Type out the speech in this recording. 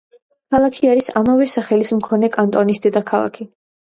ქალაქი არის ამავე სახელის მქონე კანტონის დედაქალაქი.